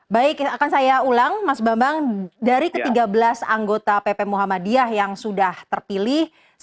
baik akan saya ulang mas bambang dari ke tiga belas anggota pp muhammadiyah yang sudah terpilih